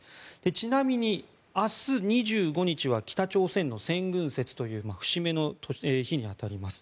ちなみに明日、２５日は北朝鮮の先軍節という節目の日に当たります。